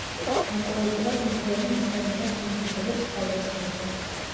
გარკვეულწილად მკვლელი მისგან იღებს მითითებებს თავდასხმაზე.